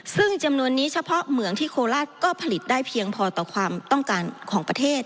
ซึ่งจำนวนนี้เฉพาะเหมืองที่โคราชก็ผลิตได้เพียงพอต่อความต้องการของประเทศ